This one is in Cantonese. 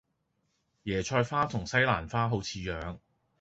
椰菜花同西蘭花好似樣